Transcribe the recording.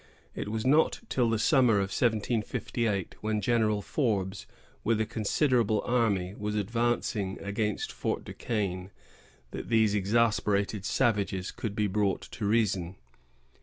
It was not till the summer of 1758, when General Forbes, with a considerable army, was advancing against Fort du Quesne, that these exasperated savages could be brought to reason.